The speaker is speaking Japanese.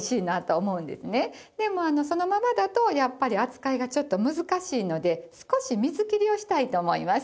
でもそのままだとやっぱり扱いがちょっと難しいので少し水切りをしたいと思います。